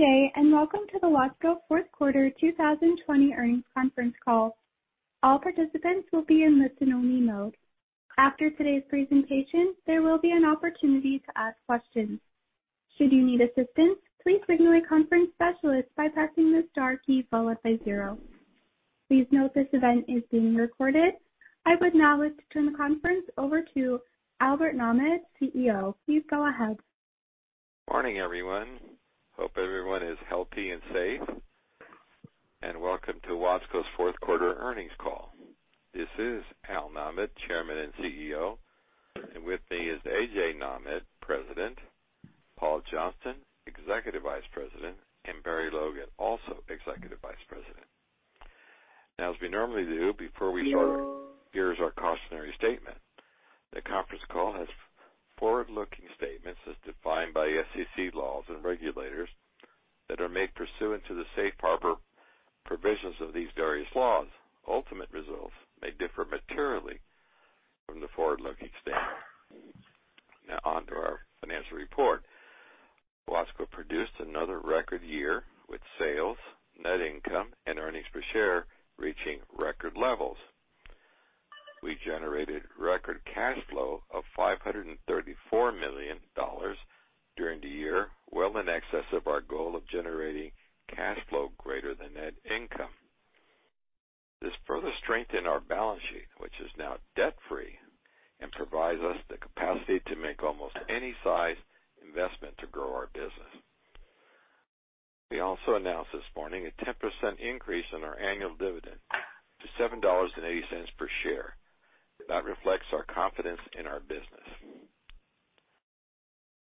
Good day, welcome to the Watsco fourth quarter 2020 earnings conference call. All participants will be in listen-only mode. After today's presentation, there will be an opportunity to ask questions. Please note this event is being recorded. I would now like to turn the conference over to Albert Nahmad, CEO. Please go ahead. Morning, everyone. Hope everyone is healthy and safe. Welcome to Watsco's fourth quarter earnings call. This is Al Nahmad, Chairman and CEO, and with me is A.J. Nahmad, President, Paul Johnston, Executive Vice President, and Barry Logan, also Executive Vice President. As we normally do before we start, here's our cautionary statement. The conference call has forward-looking statements as defined by SEC laws and regulators that are made pursuant to the safe harbor provisions of these various laws. Ultimate results may differ materially from the forward-looking statement. On to our financial report. Watsco produced another record year with sales, net income, and earnings per share reaching record levels. We generated record cash flow of $534 million during the year, well in excess of our goal of generating cash flow greater than net income. This further strengthened our balance sheet, which is now debt-free and provides us the capacity to make almost any size investment to grow our business. We also announced this morning a 10% increase in our annual dividend to $7.80 per share. That reflects our confidence in our business.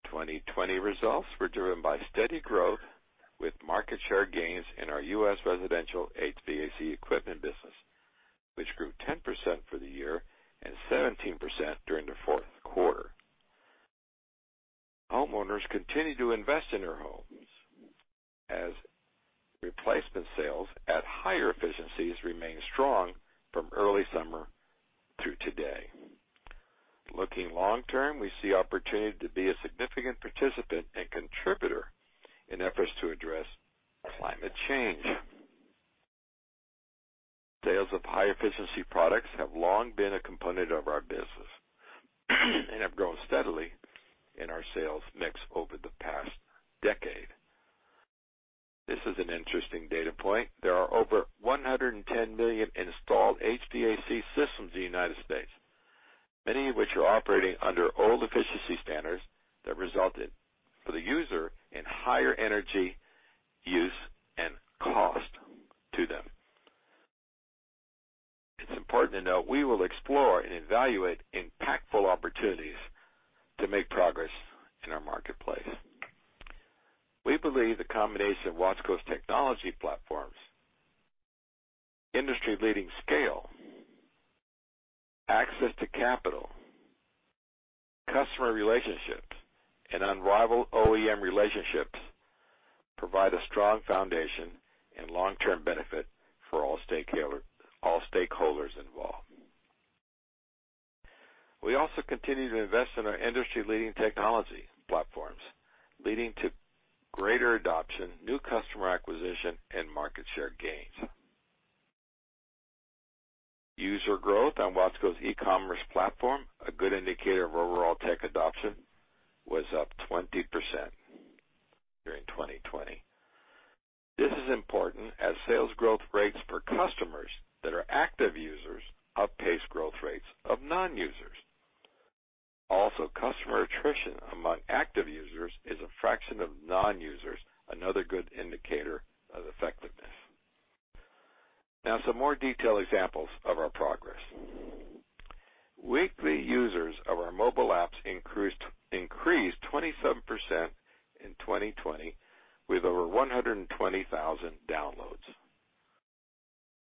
2020 results were driven by steady growth with market share gains in our U.S. residential HVAC equipment business, which grew 10% for the year and 17% during the fourth quarter. Homeowners continue to invest in their homes as replacement sales at higher efficiencies remain strong from early summer through today. Looking long term, we see opportunity to be a significant participant and contributor in efforts to address climate change. Sales of high-efficiency products have long been a component of our business and have grown steadily in our sales mix over the past decade. This is an interesting data point. There are over 110 million installed HVAC systems in the U.S., many of which are operating under old efficiency standards that resulted for the user in higher energy use and cost to them. It's important to note we will explore and evaluate impactful opportunities to make progress in our marketplace. We believe the combination of Watsco's technology platforms, industry-leading scale, access to capital, customer relationships, and unrivaled OEM relationships provide a strong foundation and long-term benefit for all stakeholders involved. We also continue to invest in our industry-leading technology platforms, leading to greater adoption, new customer acquisition, and market share gains. User growth on Watsco's e-commerce platform, a good indicator of overall tech adoption, was up 20% during 2020. This is important as sales growth rates for customers that are active users outpace growth rates of non-users. Also, customer attrition among active users is a fraction of non-users, another good indicator of effectiveness. Now some more detailed examples of our progress. Weekly users of our mobile apps increased 27% in 2020, with over 120,000 downloads.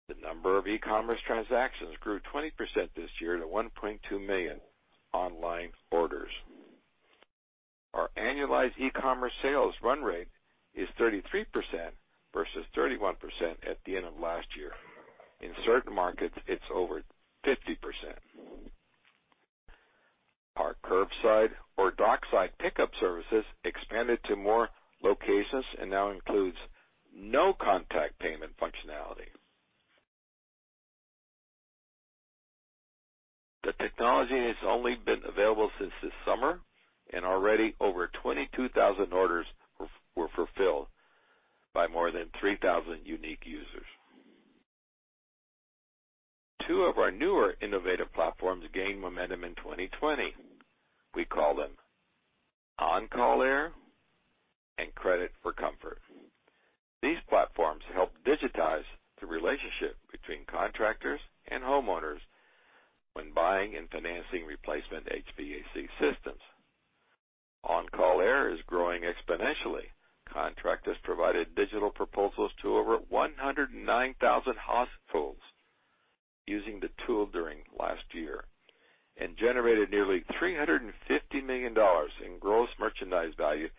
The number of e-commerce transactions grew 20% this year to 1.2 million online orders. Our annualized e-commerce sales run rate is 33% versus 31% at the end of last year. In certain markets, it's over 50%. Our curbside or dockside pickup services expanded to more locations and now includes no-contact payment functionality. The technology has only been available since this summer, and already over 22,000 orders were fulfilled by more than 3,000 unique users. Two of our newer innovative platforms gained momentum in 2020. We call them OnCall Air and Credit for Comfort. These platforms help digitize the relationship between contractors and homeowners when buying and financing replacement HVAC systems. OnCall Air is growing exponentially. Contractors provided digital proposals to over 109,000 households using the tool during last year and generated nearly $350 million in gross merchandise value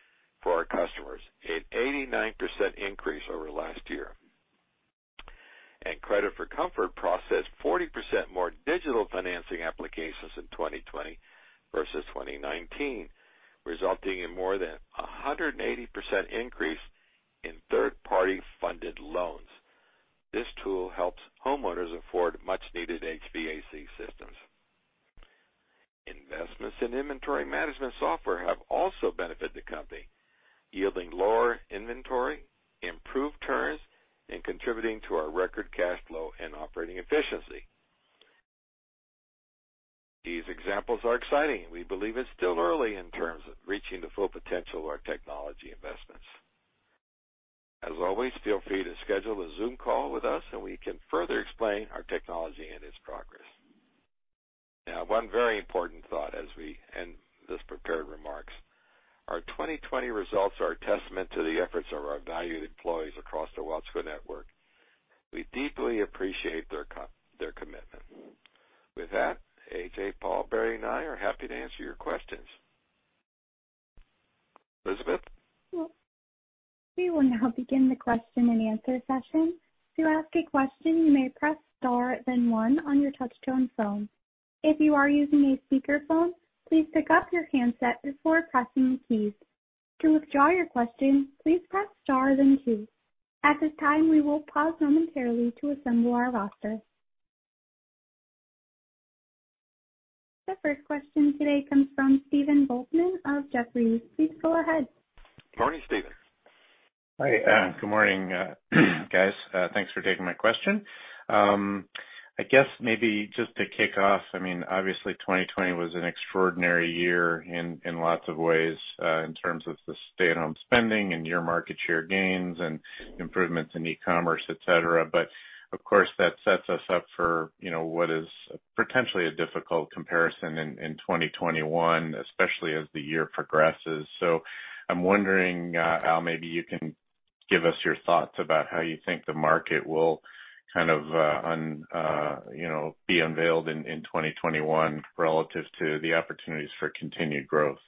for our customers, an 89% increase over last year. Credit for Comfort processed 40% more digital financing applications in 2020 versus 2019, resulting in more than a 180% increase in third-party funded loans. This tool helps homeowners afford much-needed HVAC systems. Investments in inventory management software have also benefited the company, yielding lower inventory, improved turns, and contributing to our record cash flow and operating efficiency. These examples are exciting. We believe it's still early in terms of reaching the full potential of our technology investments. As always, feel free to schedule a Zoom call with us, and we can further explain our technology and its progress. Now, one very important thought as we end these prepared remarks. Our 2020 results are a testament to the efforts of our valued employees across the Watsco network. We deeply appreciate their commitment. With that, A.J., Paul, Barry, and I are happy to answer your questions. Elizabeth? We will now begin the question-and-answer session. To ask a question you may press star then one on your touchtone phone. If you are using a speaker phone please pick-up your handset before pressing keys. To withdraw your question please press star then two. At this time, we will pause momentarily to assemble our roster. The first question today comes from Stephen Volkmann of Jefferies. Please go ahead. Morning, Stephen. Hi. Good morning, guys. Thanks for taking my question. I guess maybe just to kick off, I mean, obviously 2020 was an extraordinary year in lots of ways, in terms of the stay-at-home spending and year market share gains and improvements in e-commerce, et cetera. Of course, that sets us up for, you know, what is potentially a difficult comparison in 2021, especially as the year progresses. I'm wondering, Al, maybe you can give us your thoughts about how you think the market will kind of be unveiled in 2021 relative to the opportunities for continued growth.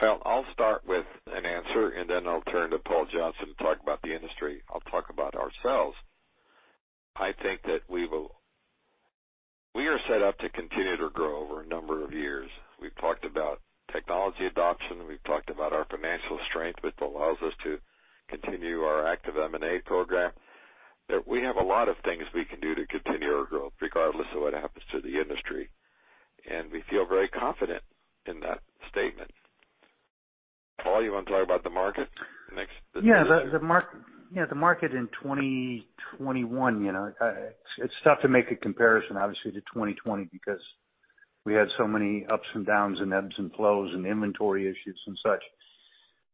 Well, I'll start with an answer. Then I'll turn to Paul Johnston to talk about the industry. I'll talk about ourselves. I think that we are set up to continue to grow over a number of years. We've talked about technology adoption. We've talked about our financial strength, which allows us to continue our active M&A program. We have a lot of things we can do to continue our growth regardless of what happens to the industry. We feel very confident in that statement. Paul, you wanna talk about the market next? Yeah. The market in 2021, you know, it's tough to make a comparison, obviously, to 2020 because we had so many ups and downs and ebbs and flows and inventory issues and such.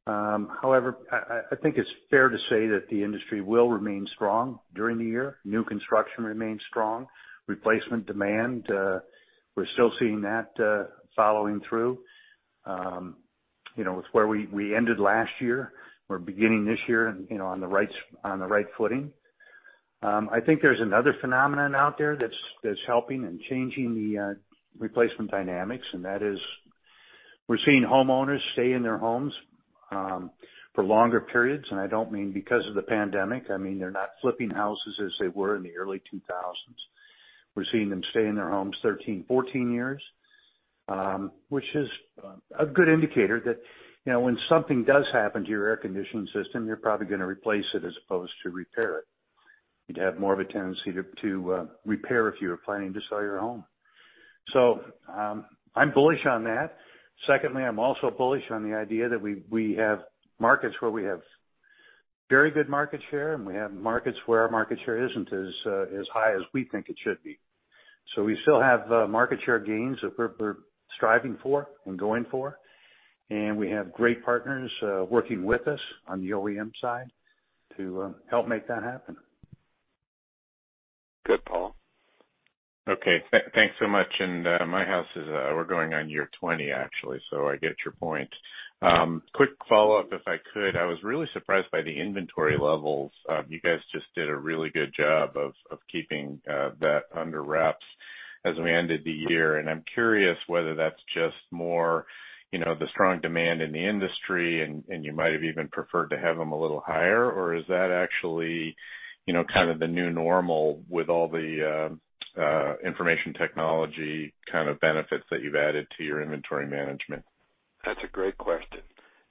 I think it's fair to say that the industry will remain strong during the year. New construction remains strong. Replacement demand, we're still seeing that following through. You know, with where we ended last year, we're beginning this year, you know, on the right footing. I think there's another phenomenon out there that's helping and changing the replacement dynamics, and that is we're seeing homeowners stay in their homes for longer periods, and I don't mean because of the pandemic. I mean, they're not flipping houses as they were in the early 2000s. We're seeing them stay in their homes 13, 14 years, which is a good indicator that, you know, when something does happen to your air conditioning system, you're probably gonna replace it as opposed to repair it. You'd have more of a tendency to repair if you were planning to sell your home. Secondly, I'm also bullish on the idea that we have markets where we have very good market share, and we have markets where our market share isn't as high as we think it should be. We still have market share gains that we're striving for and going for, and we have great partners working with us on the OEM side to help make that happen. Good, Paul. Okay. Thanks so much. My house is We're going on year 20, actually, so I get your point. Quick follow-up if I could. I was really surprised by the inventory levels. You guys just did a really good job of keeping that under wraps as we ended the year. I'm curious whether that's just more, you know, the strong demand in the industry and you might have even preferred to have them a little higher. Is that actually, you know, kind of the new normal with all the information technology kind of benefits that you've added to your inventory management? That's a great question.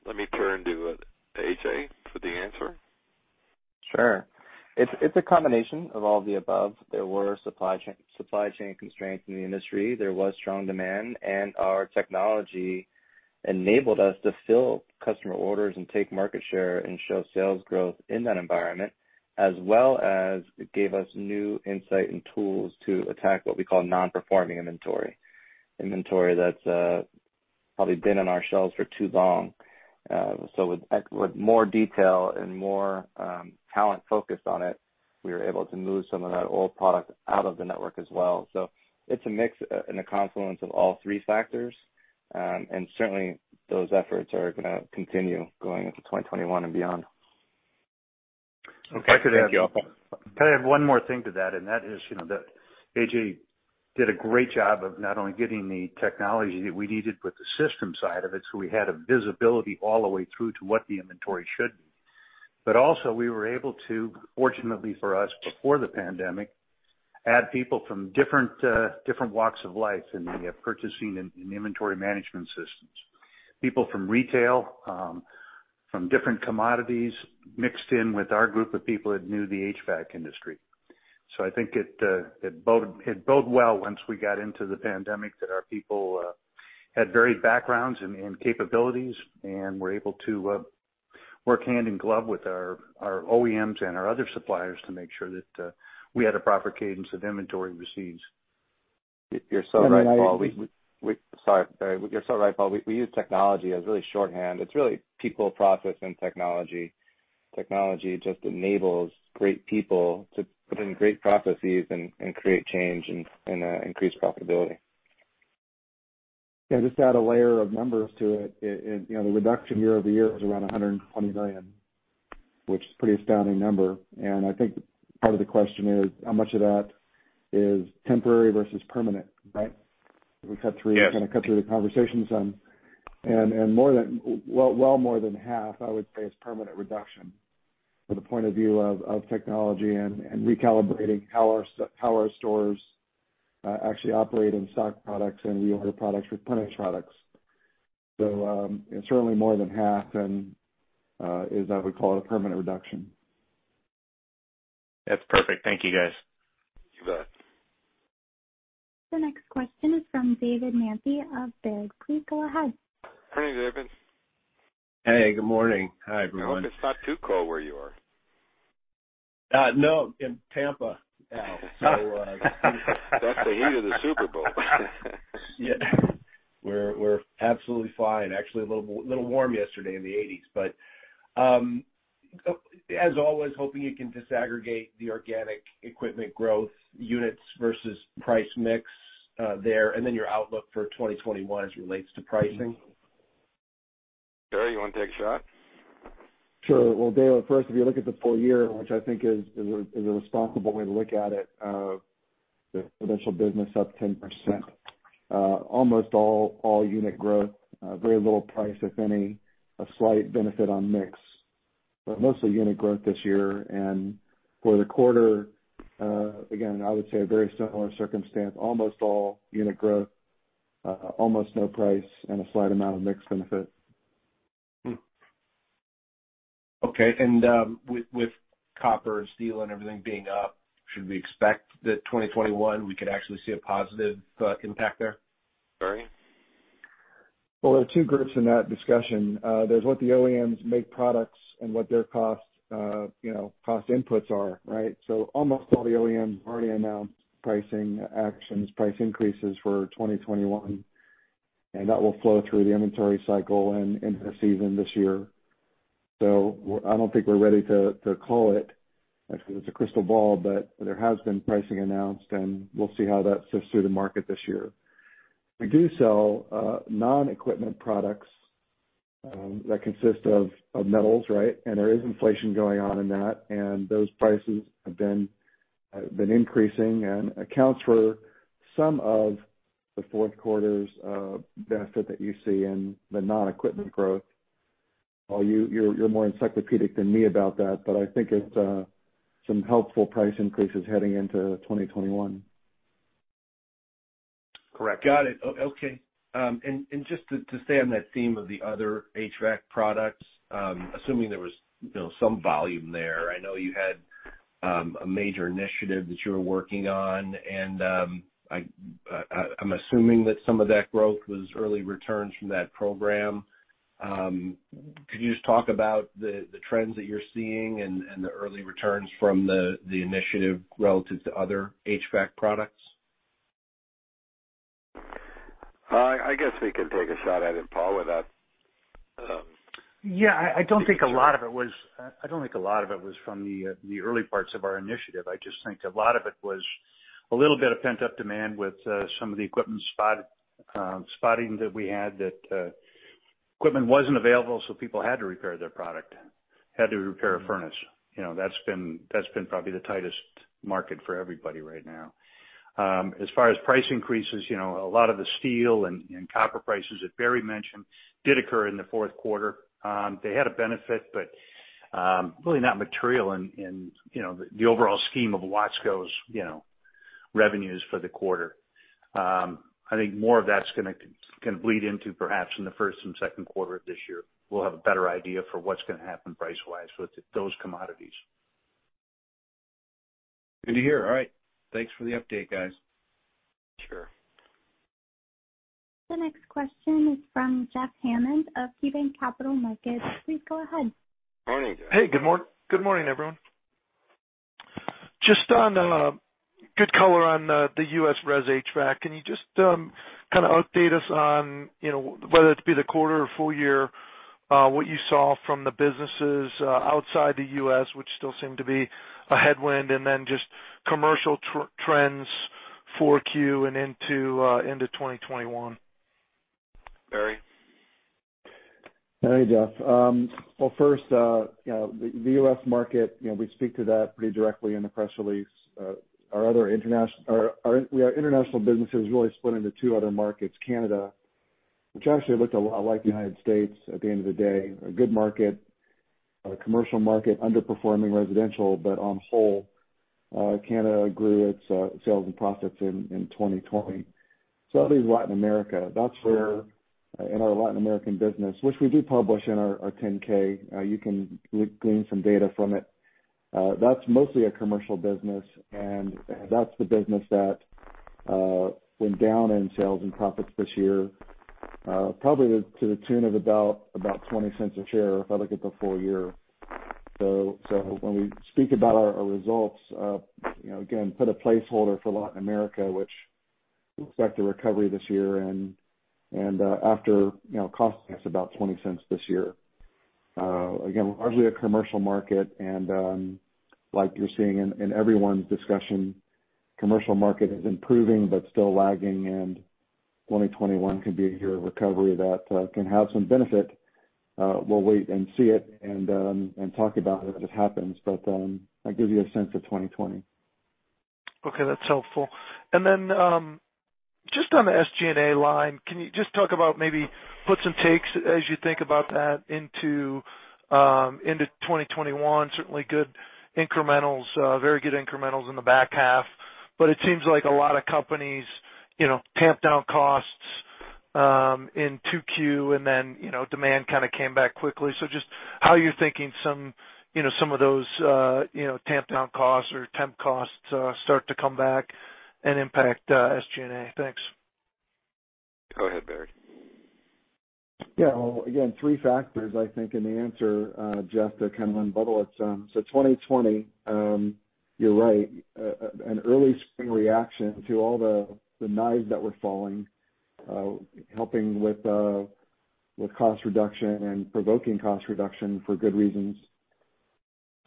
Let me turn to A.J. For the answer. Sure. It's a combination of all the above. There were supply chain constraints in the industry. There was strong demand. Our technology enabled us to fill customer orders and take market share and show sales growth in that environment, as well as it gave us new insight and tools to attack what we call non-performing inventory. Inventory that's probably been on our shelves for too long. With more detail and more talent focused on it, we were able to move some of that old product out of the network as well. It's a mix and a confluence of all three factors. Certainly, those efforts are gonna continue going into 2021 and beyond. Okay. Thank you, all. Can I add one more thing to that? That is, you know, A.J. did a great job of not only getting the technology that we needed, but the system side of it, so we had a visibility all the way through to what the inventory should be. Also, we were able to, fortunately for us, before the pandemic, add people from different walks of life in the purchasing and inventory management systems. People from retail, from different commodities mixed in with our group of people that knew the HVAC industry. I think it bode well once we got into the pandemic that our people had varied backgrounds and capabilities and were able to work hand in glove with our OEMs and our other suppliers to make sure that we had a proper cadence of inventory receipts. You're so right, Paul. Sorry, Barry. You're so right, Paul. We use technology as really shorthand. It's really people, process, and technology. Technology just enables great people to put in great processes and create change and increase profitability. Yeah, just to add a layer of numbers to it. You know, the reduction year-over-year was around $120 million, which is a pretty astounding number. I think part of the question is how much of that is temporary versus permanent, right? We've had three. Yes. Kind of cut through the conversations on. Well more than half, I would say, is permanent reduction from the point of view of technology and recalibrating how our stores actually operate and stock products and reorder products, replenish products. It's certainly more than half and is I would call it a permanent reduction. That's perfect. Thank you, guys. You bet. The next question is from David Manthey of Baird. Please go ahead. Hey, David. Hey, good morning. Hi, everyone. I hope it's not too cold where you are. No, in Tampa now. That's the heat of the Super Bowl. Yeah. We're absolutely fine. Actually, a little warm yesterday in the 80s. As always, hoping you can disaggregate the organic equipment growth units versus price mix there, and then your outlook for 2021 as it relates to pricing. Barry, you wanna take a shot? Sure. Well, David, first, if you look at the full year, which I think is a, is a responsible way to look at it, the residential business up 10%, almost all unit growth, very little price, if any, a slight benefit on mix, but mostly unit growth this year. For the quarter, again, I would say a very similar circumstance, almost all unit growth, almost no price and a slight amount of mix benefit. Okay. With copper and steel and everything being up, should we expect that 2021, we could actually see a positive impact there? Barry? There are two groups in that discussion. There's what the OEMs make products and what their cost, you know, cost inputs are, right? Almost all the OEMs have already announced pricing actions, price increases for 2021, and that will flow through the inventory cycle and into the season this year. I don't think we're ready to call it, actually, it's a crystal ball, but there has been pricing announced, and we'll see how that sifts through the market this year. We do sell non-equipment products that consist of metals, right? There is inflation going on in that, and those prices have been increasing and accounts for some of the fourth quarter's benefit that you see in the non-equipment growth. Paul, you're more encyclopedic than me about that, but I think it's some helpful price increases heading into 2021. Correct. Got it. Okay. Just to stay on that theme of the other HVAC products, assuming there was, you know, some volume there, I know you had a major initiative that you were working on, I'm assuming that some of that growth was early returns from that program. Could you just talk about the trends that you're seeing and the early returns from the initiative relative to other HVAC products? I guess we can take a shot at it, Paul, with that. I don't think a lot of it was, I don't think a lot of it was from the early parts of our initiative. I just think a lot of it was a little bit of pent-up demand with some of the equipment spot, spotting that we had that equipment wasn't available, so people had to repair their product, had to repair a furnace. You know, that's been probably the tightest market for everybody right now. As far as price increases, you know, a lot of the steel and copper prices that Barry mentioned did occur in the fourth quarter. They had a benefit, but really not material in, you know, the overall scheme of Watsco's, you know, revenues for the quarter. I think more of that's gonna bleed into perhaps in the first and second quarter of this year. We'll have a better idea for what's gonna happen price-wise with those commodities. Good to hear. All right. Thanks for the update, guys. Sure. The next question is from Jeff Hammond of KeyBanc Capital Markets. Please go ahead. Morning, Jeff. Hey, good morning, everyone. Just on good color on the U.S. res HVAC. Can you just kind of update us on, you know, whether it be the quarter or full year, what you saw from the businesses outside the U.S., which still seem to be a headwind, and then just commercial trends Q4 and into 2021. Barry. Hey, Jeff. Well first, you know, the U.S. market, you know, we speak to that pretty directly in the press release. Our international business is really split into two other markets, Canada, which actually looked a lot like U.S. at the end of the day, a good market, a commercial market, underperforming residential, but on whole, Canada grew its sales and profits in 2020. That leaves Latin America. That's where, in our Latin American business, which we do publish in our 10-K, you can glean some data from it. That's mostly a commercial business, and that's the business that went down in sales and profits this year, probably to the tune of about $0.20 a share if I look at the full year. When we speak about our results, you know, again, put a placeholder for Latin America, which looks like the recovery this year, and after, you know, costing us about $0.20 this year. Again, largely a commercial market, and like you're seeing in everyone's discussion, commercial market is improving but still lagging, and 2021 could be a year of recovery that can have some benefit. We'll wait and see it and talk about it as it happens. That gives you a sense of 2020. Okay, that's helpful. Just on the SG&A line, can you just talk about maybe puts and takes as you think about that into 2021? Certainly good incrementals, very good incrementals in the back half. It seems like a lot of companies, you know, tamp down costs in 2Q, you know, demand kinda came back quickly. Just how you're thinking some, you know, some of those, you know, tamp down costs or temp costs start to come back and impact SG&A. Thanks. Go ahead, Barry. Well, again, three factors, I think, in the answer, Jeff, to kind of unravel it some. 2020, you're right. An early spring reaction to all the knives that were falling, helping with cost reduction and provoking cost reduction for good reasons.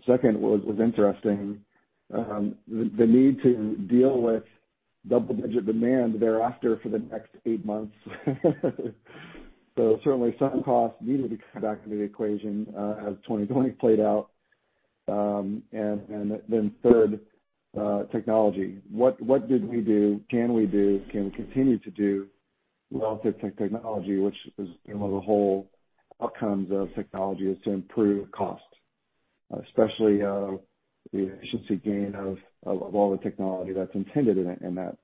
Second was interesting. The need to deal with double-digit demand thereafter for the next eight months. Certainly some costs needed to come back into the equation as 2020 played out. And then third, technology. What did we do, can we do, can we continue to do well with technology, which is, you know, the whole outcomes of technology is to improve costs, especially, the efficiency gain of all the technology that's intended in that, in that.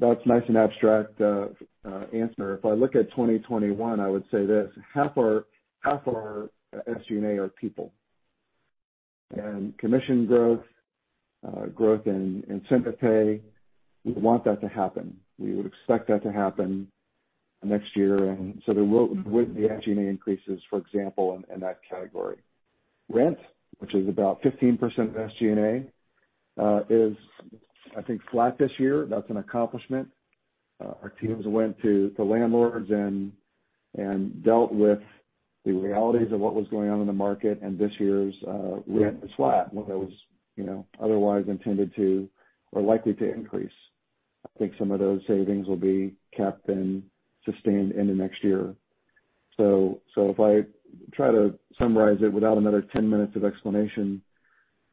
That's nice and abstract answer. If I look at 2021, I would say this: half our SG&A are people. Commission growth in incentive pay, we want that to happen. We would expect that to happen next year. There would be SG&A increases, for example, in that category. Rent, which is about 15% of SG&A, is I think flat this year. That's an accomplishment. Our teams went to the landlords and dealt with the realities of what was going on in the market, and this year's rent is flat when it was, you know, otherwise intended to or likely to increase. I think some of those savings will be kept and sustained into next year. If I try to summarize it without another 10 minutes of explanation,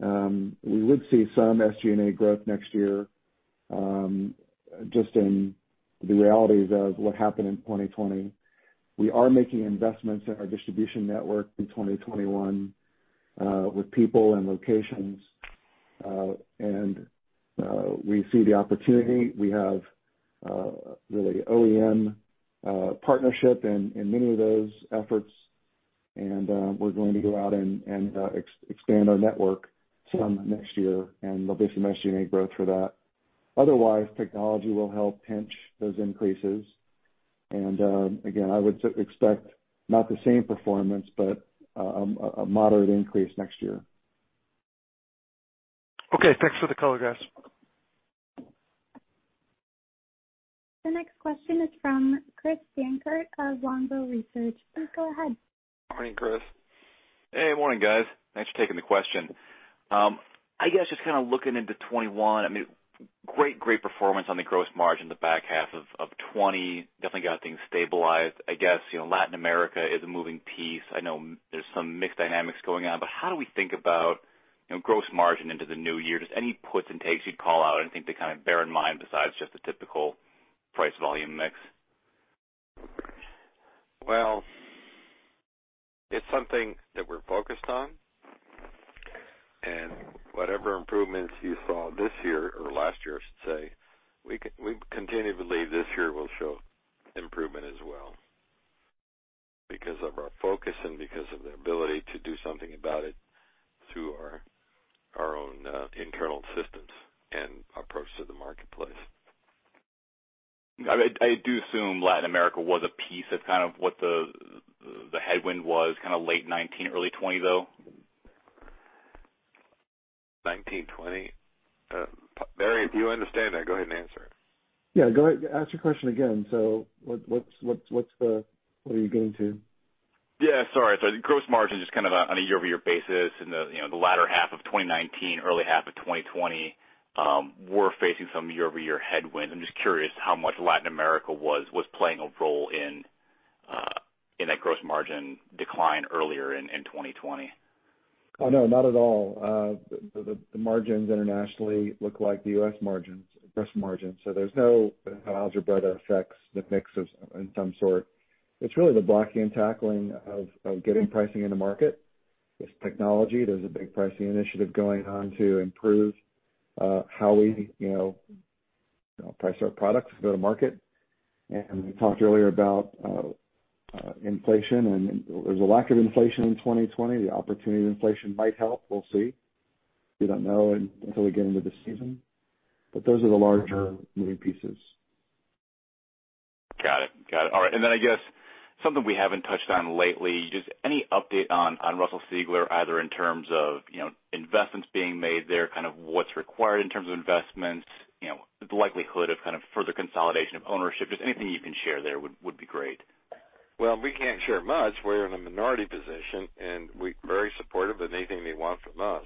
we would see some SG&A growth next year, just in the realities of what happened in 2020. We are making investments in our distribution network in 2021 with people and locations. We see the opportunity. We have really OEM partnership in many of those efforts. We're going to go out and expand our network some next year, and there'll be some SG&A growth for that. Otherwise, technology will help pinch those increases. Again, I would expect not the same performance, but a moderate increase next year. Okay, thanks for the color, guys. The next question is from Chris Dankert of Longbow Research. Please go ahead. Morning, Chris. Hey, morning, guys. Thanks for taking the question. I guess just kinda looking into 2021, I mean, great performance on the gross margin in the back half of 2020. Definitely got things stabilized. I guess, you know, Latin America is a moving piece. I know there's some mixed dynamics going on. How do we think about, you know, gross margin into the new year? Just any puts and takes you'd call out or anything to kind of bear in mind besides just the typical price volume mix? Well, it's something that we're focused on. Whatever improvements you saw this year or last year, I should say, we continue to believe this year will show improvement as well because of our focus and because of the ability to do something about it through our own internal systems and approach to the marketplace. I do assume Latin America was a piece of kind of what the headwind was kind of late 2019, early 2020, though. 2019, 2020. Barry, do you understand that? Go ahead and answer it. Yeah, go ahead. Ask your question again. What, what's what are you getting to? Yeah, sorry. Gross margin, just kind of on a year-over-year basis in the, you know, the latter half of 2019, early half of 2020, were facing some year-over-year headwinds. I'm just curious how much Latin America was playing a role in that gross margin decline earlier in 2020. No, not at all. The margins internationally look like the U.S. margins, gross margins. There's no algebra effects that mixes in some sort. It's really the blocking and tackling of getting pricing in the market. There's technology, there's a big pricing initiative going on to improve how we, you know, price our products go to market. We talked earlier about inflation, and there's a lack of inflation in 2020. The opportunity of inflation might help. We'll see. We don't know until we get into the season. Those are the larger moving pieces. Got it. Got it. All right. I guess something we haven't touched on lately, just any update on Russell Sigler, either in terms of, you know, investments being made there, kind of what's required in terms of investments, you know, the likelihood of kind of further consolidation of ownership. Just anything you can share there would be great. Well, we can't share much. We're in a minority position, and we're very supportive of anything they want from us.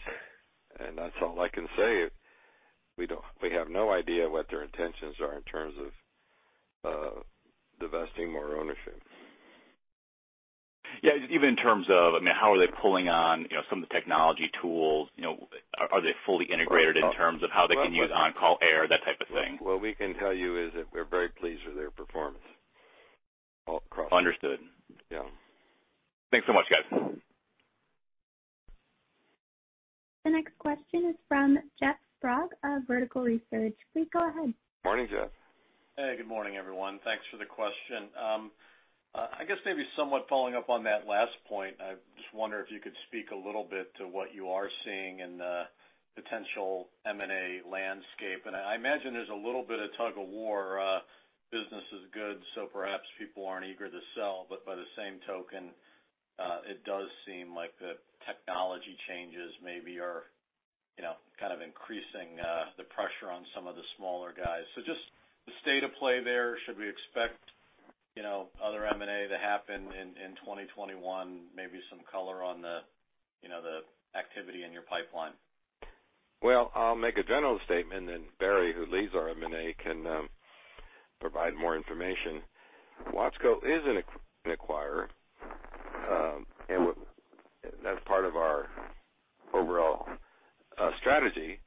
That's all I can say. We have no idea what their intentions are in terms of divesting more ownership. Yeah, even in terms of, I mean, how are they pulling on, you know, some of the technology tools, you know, are they fully integrated in terms of how they can use OnCall Air, that type of thing? What we can tell you is that we're very pleased with their performance all across. Understood. Yeah. Thanks so much, guys. The next question is from Jeff Sprague of Vertical Research. Please go ahead. Morning, Jeff. Hey, good morning, everyone. Thanks for the question. I guess maybe somewhat following up on that last point. I just wonder if you could speak a little bit to what you are seeing in the potential M&A landscape. I imagine there's a little bit of tug of war. Business is good, so perhaps people aren't eager to sell. By the same token, it does seem like the technology changes maybe are, you know, kind of increasing the pressure on some of the smaller guys. Just the state of play there. Should we expect, you know, other M&A to happen in 2021? Maybe some color on the, you know, the activity in your pipeline. Well, I'll make a general statement, and then Barry, who leads our M&A, can provide more information. Watsco is an acquirer, and that's part of our overall strategy.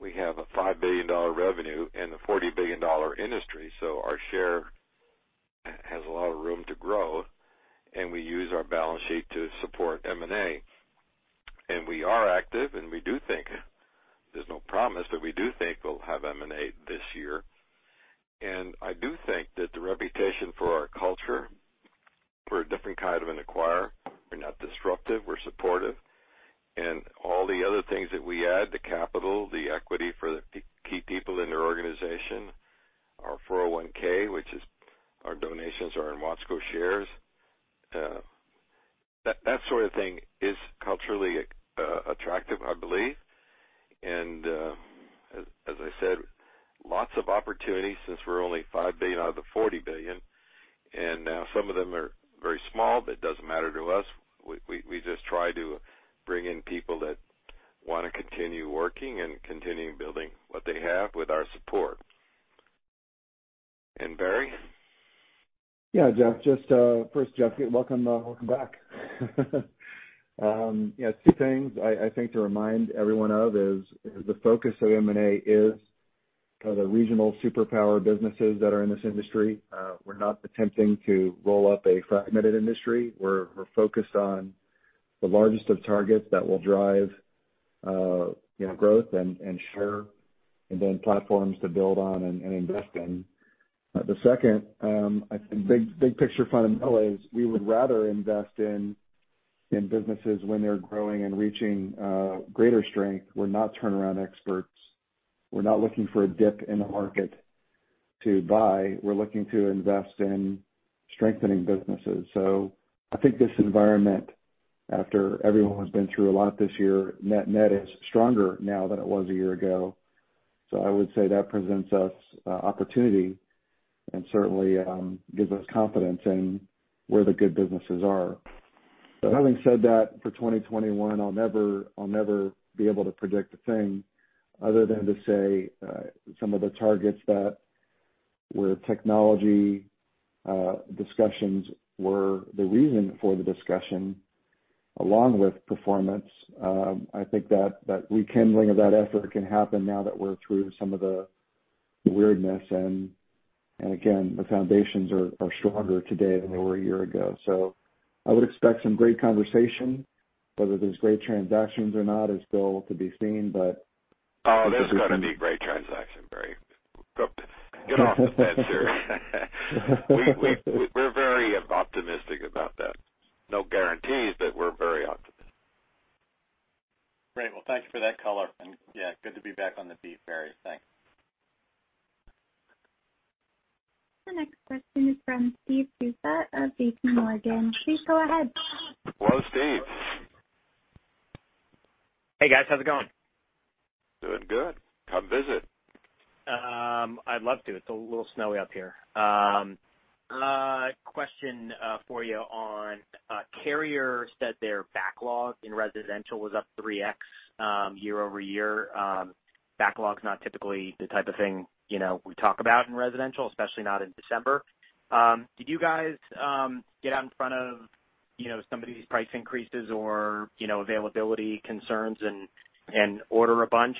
We have a $5 billion revenue and a $40 billion industry, so our share has a lot of room to grow, and we use our balance sheet to support M&A. We are active, and we do think, there's no promise, but we do think we'll have M&A this year. I do think that the reputation for our culture, we're a different kind of an acquirer. We're not disruptive. We're supportive. All the other things that we add, the capital, the equity for the key people in their organization, our 401K, which is our donations are in Watsco shares. That sort of thing is culturally attractive, I believe. As I said, lots of opportunities since we're only $5 billion out of the $40 billion. Some of them are very small, but it doesn't matter to us. We just try to bring in people that wanna continue working and continuing building what they have with our support. Barry? Yeah, Jeff, just, first, Jeff, welcome back. Two things I think to remind everyone of is the focus of M&A is the regional superpower businesses that are in this industry. We're not attempting to roll up a fragmented industry. We're focused on the largest of targets that will drive, you know, growth and share, and then platforms to build on and invest in. The second, I think big picture fundamental is we would rather invest in businesses when they're growing and reaching greater strength. We're not turnaround experts. We're not looking for a dip in the market to buy. We're looking to invest in strengthening businesses. I think this environment, after everyone has been through a lot this year, net is stronger now than it was a year ago. I would say that presents us opportunity and certainly gives us confidence in where the good businesses are. Having said that, for 2021, I'll never be able to predict a thing other than to say some of the targets that where technology discussions were the reason for the discussion along with performance. I think that rekindling of that effort can happen now that we're through some of the weirdness. Again, the foundations are stronger today than they were a year ago. I would expect some great conversation. Whether there's great transactions or not is still to be seen. Oh, there's gonna be great transaction, Barry. Get off the fence there. We're very optimistic about that. No guarantees, we're very optimistic. Great. Well, thank you for that color. Yeah, good to be back on the beat, Barry. Thanks. The next question is from Steve Tusa of JPMorgan. Please go ahead. Hello, Steve. Hey guys, how's it going? Doing good. Come visit. I'd love to. It's a little snowy up here. A question for you on Carrier said their backlog in residential was up 3x year-over-year. Backlog's not typically the type of thing, you know, we talk about in residential, especially not in December. Did you guys get out in front of, you know, some of these price increases or, you know, availability concerns and order a bunch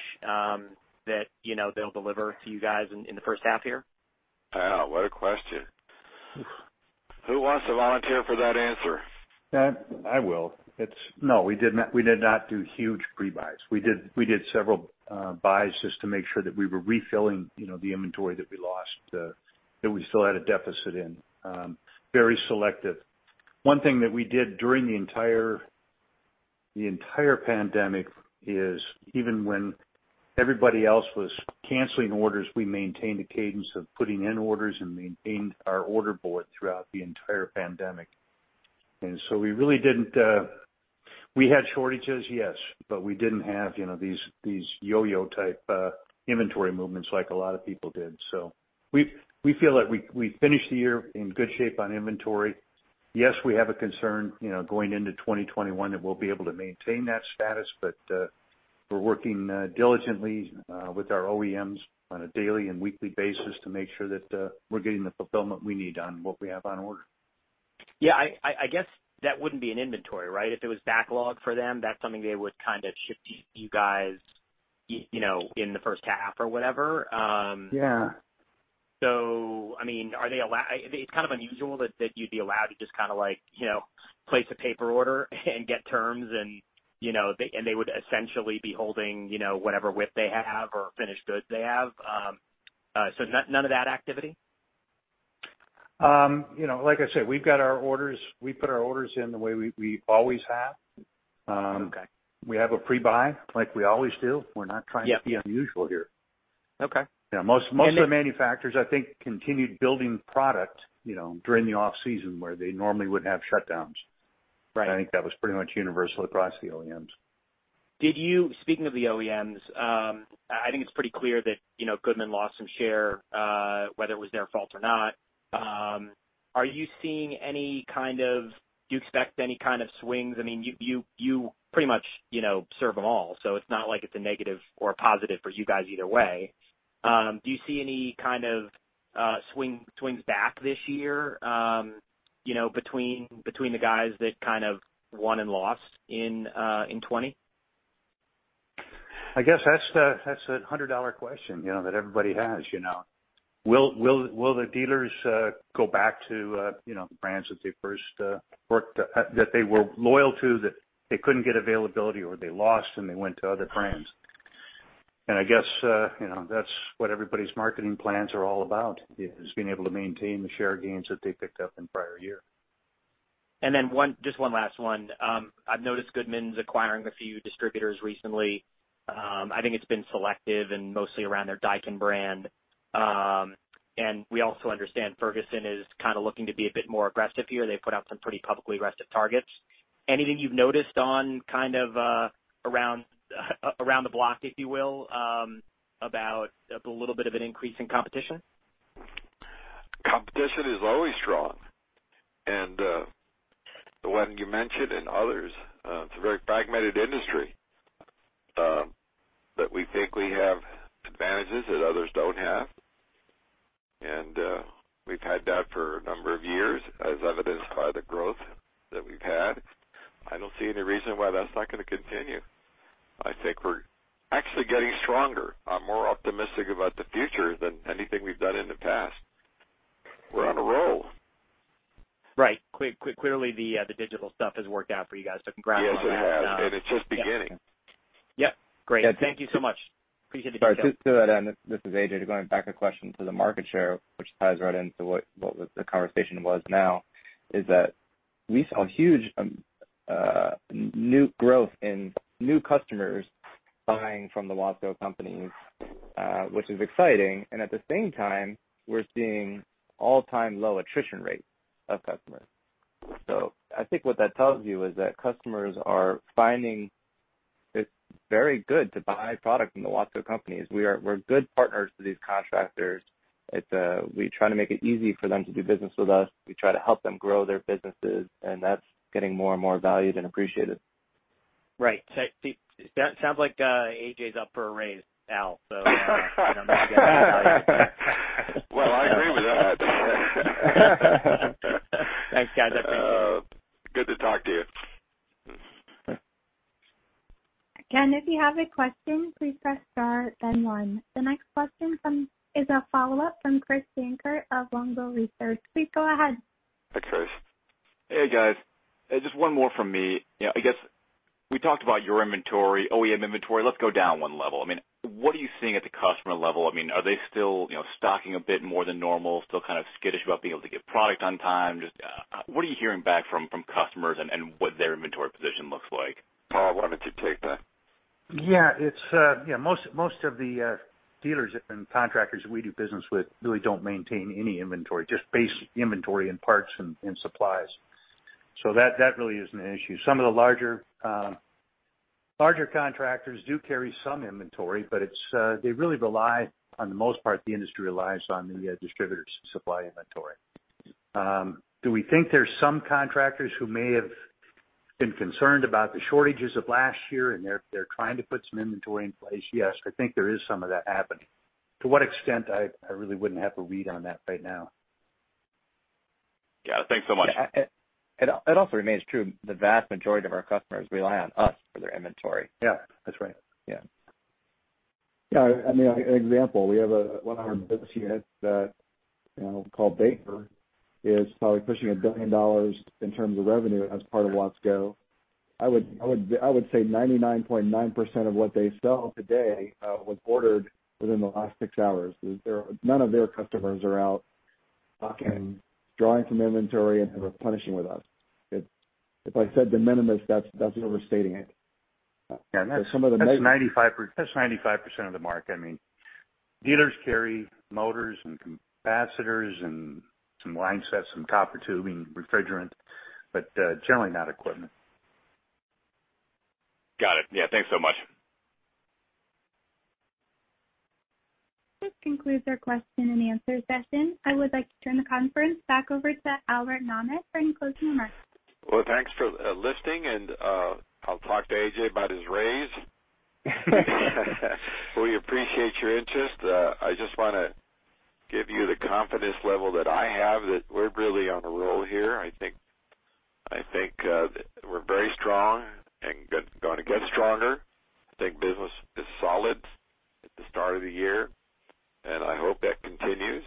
that, you know, they'll deliver to you guys in the first half here? Wow, what a question. Who wants to volunteer for that answer? I will. No, we did not do huge pre-buys. We did several buys just to make sure that we were refilling, you know, the inventory that we lost that we still had a deficit in. Very selective. One thing that we did during the entire pandemic is even when everybody else was canceling orders, we maintained a cadence of putting in orders and maintained our order board throughout the entire pandemic. We really didn't, we had shortages, yes, but we didn't have, you know, these yo-yo type inventory movements like a lot of people did. We feel that we finished the year in good shape on inventory. Yes, we have a concern, you know, going into 2021 that we'll be able to maintain that status. We're working diligently with our OEMs on a daily and weekly basis to make sure that we're getting the fulfillment we need on what we have on order. Yeah, I guess that wouldn't be an inventory, right? If it was backlog for them, that's something they would kind of ship to you guys, you know, in the first half or whatever. Yeah. I mean, are they allowed? It's kind of unusual that you'd be allowed to just kinda like, you know, place a paper order and get terms and, you know, and they would essentially be holding, you know, whatever WIP they have or finished goods they have. None of that activity? You know, like I said, we've got our orders. We put our orders in the way we always have. Okay. We have a pre-buy like we always do, to be unusual here. Okay. Yeah. Most of the manufacturers, I think, continued building product, you know, during the off-season where they normally would have shutdowns. Right. I think that was pretty much universal across the OEMs. Speaking of the OEMs, I think it's pretty clear that, you know, Goodman lost some share, whether it was their fault or not. Do you expect any kind of swings? I mean, you pretty much, you know, serve them all, so it's not like it's a negative or a positive for you guys either way. Do you see any kind of swings back this year, you know, between the guys that kind of won and lost in 2020? I guess that's the $100 question, you know, that everybody has, you know. Will the dealers go back to, you know, the brands that they first worked that they were loyal to, that they couldn't get availability or they lost and they went to other brands? I guess, you know, that's what everybody's marketing plans are all about, is being able to maintain the share gains that they picked up in prior year. One, just one last one. I've noticed Goodman's acquiring a few distributors recently. I think it's been selective and mostly around their Daikin brand. We also understand Ferguson is kind of looking to be a bit more aggressive here. They put out some pretty publicly aggressive targets. Anything you've noticed on kind of around the block, if you will, about a little bit of an increase in competition? Competition is always strong. The one you mentioned and others, it's a very fragmented industry, but we think we have advantages that others don't have. We've had that for a number of years, as evidenced by the growth that we've had. I don't see any reason why that's not gonna continue. I think we're actually getting stronger. I'm more optimistic about the future than anything we've done in the past. We're on a roll. Right. Clearly, the digital stuff has worked out for you guys, so congrats on that. Yes, it has. It's just beginning. Yep. Great. Thank you so much. Appreciate the time. Sorry, just to add on, this is A.J. To go back a question to the market share, which ties right into what the conversation was now, is that we saw huge new growth in new customers buying from the Watsco companies, which is exciting. At the same time, we're seeing all-time low attrition rates of customers. I think what that tells you is that customers are finding it's very good to buy product from the Watsco companies. We're good partners to these contractors. It's, we try to make it easy for them to do business with us. We try to help them grow their businesses, and that's getting more and more valued and appreciated. Right. It sounds like, A.J.'s up for a raise, Al, so, you know. Well, I agree with that. Thanks, guys. I appreciate it. Good to talk to you. Again, if you have a question, please press star then 0ne. The next question is a follow-up from Chris Dankert of Longbow Research. Please go ahead. Hi, Chris. Hey, guys. Just one more from me. You know, I guess we talked about your inventory, OEM inventory. Let's go down one level. I mean, what are you seeing at the customer level? I mean, are they still, you know, stocking a bit more than normal? Still kind of skittish about being able to get product on time? Just what are you hearing back from customers and what their inventory position looks like? Paul, why don't you take that? It's, most of the dealers and contractors we do business with really don't maintain any inventory, just base inventory and parts and supplies. Some of the larger contractors do carry some inventory, but it's, they really rely on the most part, the industry relies on the distributors to supply inventory. Do we think there's some contractors who may have been concerned about the shortages of last year and they're trying to put some inventory in place? Yes, I think there is some of that happening. To what extent? I really wouldn't have a read on that right now. Yeah. Thanks so much. Yeah. It also remains true the vast majority of our customers rely on us for their inventory. Yeah, that's right. Yeah. I mean, an example, we have, one of our business units that, you know, called Baker, is probably pushing a billion dollars in terms of revenue as part of Watsco. I would say 99.9% of what they sell today, was ordered within the last six hours. None of their customers are out stocking drawing from inventory and replenishing with us. If I said de minimis, that's overstating it. Yeah, and that's 95% of the market. I mean, dealers carry motors and capacitors and some line sets, some copper tubing, refrigerant, but generally not equipment. Got it. Yeah. Thanks so much. This concludes our question and answer session. I would like to turn the conference back over to Albert Nahmad for any closing remarks. Well, thanks for listening, and I'll talk to A.J. about his raise. We appreciate your interest. I just wanna give you the confidence level that I have that we're really on a roll here. I think we're very strong and gonna get stronger. I think business is solid at the start of the year, and I hope that continues.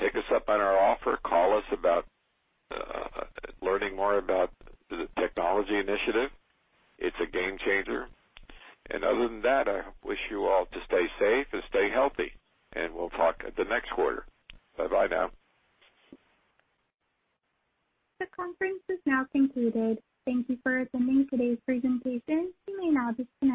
Take us up on our offer. Call us about learning more about the technology initiative. It's a game changer. Other than that, I wish you all to stay safe and stay healthy, and we'll talk at the next quarter. Bye-bye now. The conference is now concluded. Thank you for attending today's presentation. You may now disconnect.